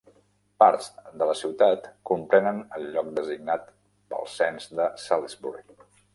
Parts de la ciutat comprenen el lloc designat pel cens de Salisbury.